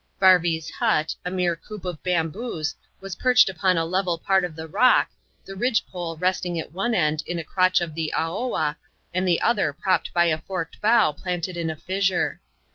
Varvy's hut, a mere coop of bamboos, was perched upon a level part of the rock, the ridge pole resting at one end in a crotch of the " Aoa," and the other propped by a forked bough planted in a Assure.